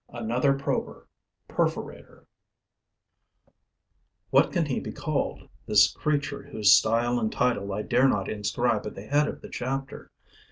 ANOTHER PROBER (PERFORATOR) What can he be called, this creature whose style and title I dare not inscribe at the head of the chapter?